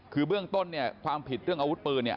คือเบื้องต้นเนี่ยความผิดเรื่องอาวุธปืนเนี่ย